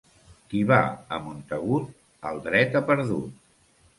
Qui va a Montagut el dret ha perdut.